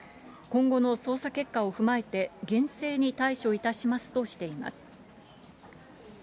今後の捜査結果を踏まえて、厳正に対処いたしますとしています。